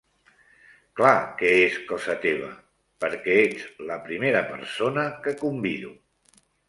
Clar que és cosa teva, perquè ets la primera persona que convido.